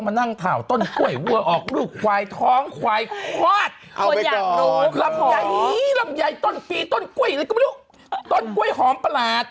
รำไยต้นปีต้นกล้วยอะไรก็ไม่รู้ต้นกล้วยหอมประหลาด